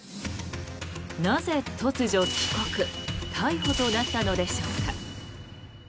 なぜ突如、帰国、逮捕となったのでしょうか。